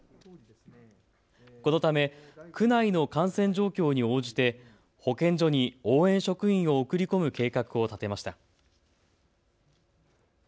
このため区内の感染状況に応じて保健所に応援職員を送り込む計画を立てました。